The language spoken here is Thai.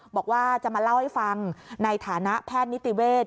บอกว่าจะมาเล่าให้ฟังในฐานะแพทย์นิติเวศ